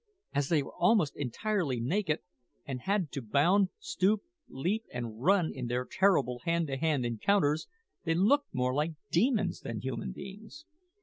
As they were almost entirely naked, and had to bound, stoop, leap, and run in their terrible hand to hand encounters, they looked more like demons than human beings.